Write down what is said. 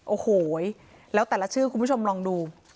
โอ้โหแล้วแต่ละชื่อคุณผู้ชมลองดู